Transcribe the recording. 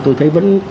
tôi thấy vẫn